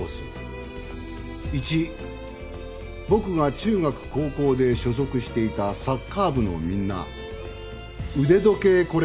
「一僕が中学高校で所属していたサッカー部のみんな腕時計コレクション」